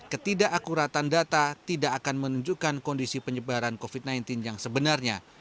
ketidakakuratan data tidak akan menunjukkan kondisi penyebaran covid sembilan belas yang sebenarnya